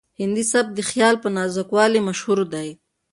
هندي سبک د خیال په نازکوالي مشهور دی.